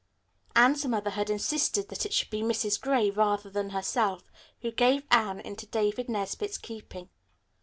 Anne's mother had insisted that it should be Mrs. Gray, rather than herself, who gave Anne into David Nesbit's keeping.